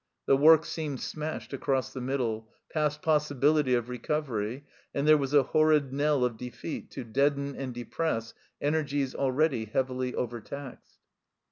The work seemed smashed across the middle, past possibility of recovery, and there was a horrid knell of defeat to deaden and depress energies already heavily overtaxed.